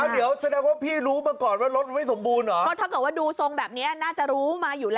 อ้าวเดี๋ยวแสดงว่าพี่รู้